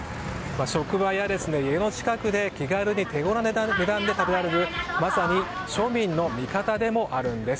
職場や家の近くで気軽に手ごろな値段で食べられるまさに庶民の味方でもあるんです。